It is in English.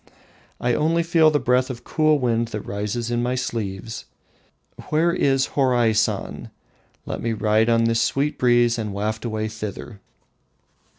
I only feel the breath of cool wind that rises in my sleeves. Where is Horaisan? Let me ride on this sweet breeze and waft away thither."